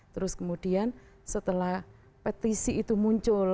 terus kemudian setelah petisi itu muncul